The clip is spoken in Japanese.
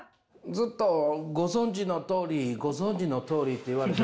ずっと「ごぞんじのとおりごぞんじのとおり」って言われる。